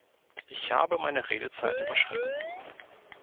Ich habe meine Redezeit überschritten.